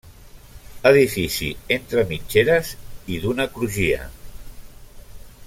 Edifici entre mitgeres i d'una crugia.